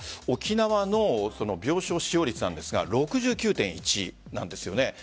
沖縄の病床使用率なんですが６９．１なんです。